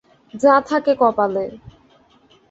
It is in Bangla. যা থাকে কপালে।